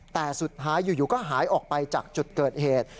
แต่สุดท้ายอยู่ก็หายออกไปจากจุดเกิดเหตุ